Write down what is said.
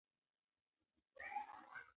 رڼا ورو ورو زموږ لوري ته راځي.